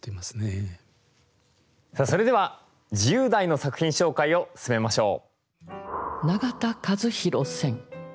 さあそれでは自由題の作品紹介を進めましょう。